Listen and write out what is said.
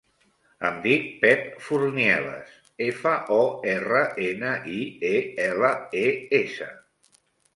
Em dic Pep Fornieles: efa, o, erra, ena, i, e, ela, e, essa.